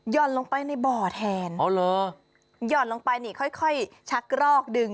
ยอดลงไปในบ่อแทนอ๋อเหรอยอดลงไปนี่ค่อยชักรอกดึง